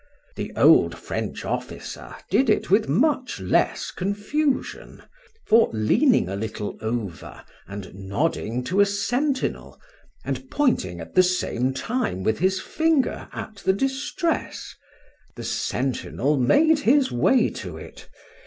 —The old French officer did it with much less confusion; for leaning a little over, and nodding to a sentinel, and pointing at the same time with his finger at the distress,—the sentinel made his way to it.